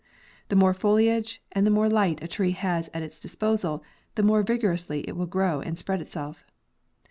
The more foliage and the more light a tree has at its disposal, the more vigorously it will grow and spread itself.